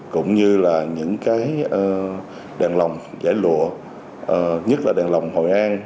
cũng như là những cái đèn lồng giải lụa nhất là đèn lồng hội an